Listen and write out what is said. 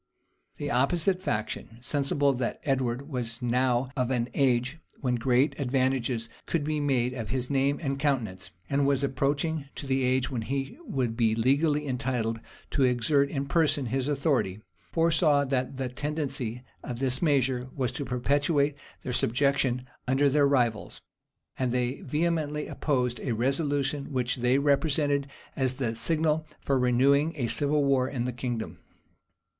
[] The opposite faction, sensible that Edward was now of an age when great advantages could be made of his name and countenance, and was approaching to the age when he would be legally entitled to exert in person his authority, foresaw that the tendency of this measure was to perpetuate their subjection under their rivals; and they vehemently opposed a resolution which they represented as the signal for renewing a civil war in the kingdom.